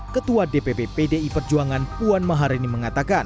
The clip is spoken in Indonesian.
ketua dpp pdi perjuangan puan maharani mengatakan